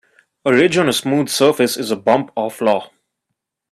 A ridge on a smooth surface is a bump or flaw.